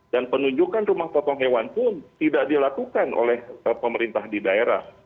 dan penunjukan rumah potong hewan pun tidak dilakukan oleh pemerintah di daerah